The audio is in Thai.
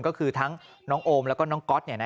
ก็คือทั้งน้องโอมแล้วก็น้องก๊อต